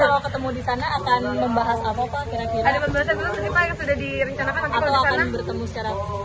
nanti kalau ketemu di sana akan membahas apa pak kira kira